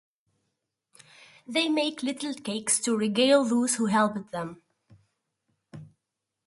They make little cakes to regale those who helped them.